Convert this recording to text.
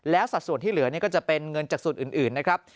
แล้วสัดส่วนที่เหลือก็จะเป็นเงินจากส่วนอื่นนะครับ